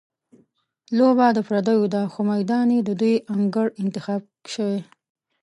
لوبه د پردیو ده، خو میدان یې د دوی انګړ انتخاب شوی.